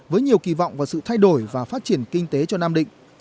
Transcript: với nhiều kỳ vọng và sự thay đổi và phát triển kinh tế cho nam định